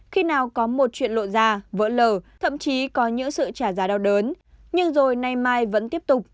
khi nào có một chuyện lộn ra vỡ lở thậm chí có những sự trả giá đau đớn nhưng rồi nay mai vẫn tiếp tục